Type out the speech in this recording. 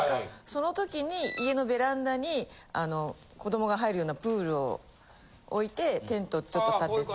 その時に家のベランダに子供が入るようなプールを置いてテントちょっとたてて。